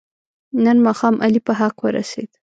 نن ماښام علي په حق ورسید.